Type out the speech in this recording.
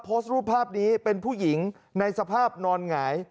โพสต์รูปภาพนี้เป็นผู้หญิงในสภาพนอนหงาย